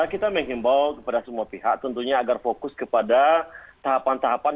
kita mengimbau kepada semua pihak tentunya agar fokus kepada tahapan tahapan